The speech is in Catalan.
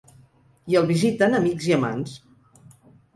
I el visiten amics i amants.